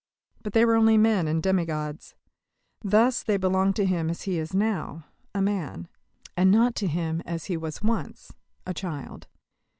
But they were only men and demi gods. Thus they belong to him as he is now a man; and not to him as he was once a child.